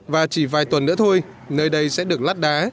và chỉ vài tuần nữa thôi nơi đây sẽ được lát đá